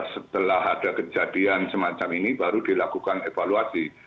setelah ada kejadian semacam ini baru dilakukan evaluasi